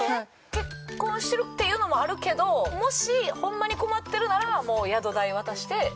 結婚してるっていうのもあるけどもしホンマに困ってるなら。